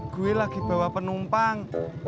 gue lagi bawa penumpang